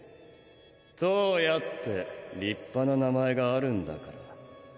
燈矢って立派な名前があるんだから。